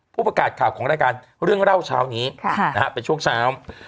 ผู้ประกาศข่าวของรายการเรื่องเล่าเช้านี้เป็นช่วงเช้า